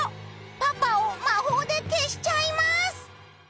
パパを魔法で消しちゃいます。